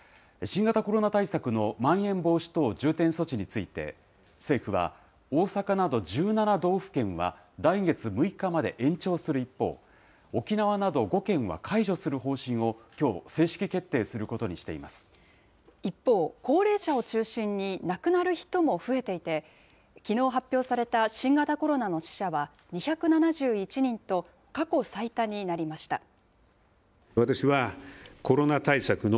新型コロナ対策のまん延防止等重点措置について、政府は、大阪など１７道府県は来月６日まで延長する一方、沖縄など５県は解除する方針をきょう、正式決定することにしてい一方、高齢者を中心に亡くなる人も増えていて、きのう発表された新型コロナの死者は２７１人と、過去最多になりました。